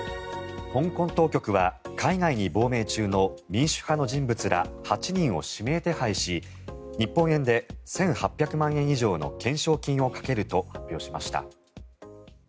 香港当局は海外に亡命中の民主派の人物ら８人を指名手配し日本円で１８００万円以上の懸賞金をかけると発表しました。